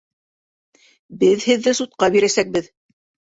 Беҙ һеҙҙе судҡа бирәсәкбеҙ.